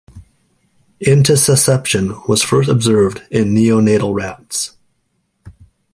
Intussusception was first observed in neonatal rats.